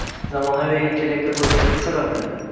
zamonaviy va kerakli bo’lganligi sababli